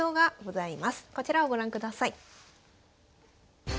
こちらをご覧ください。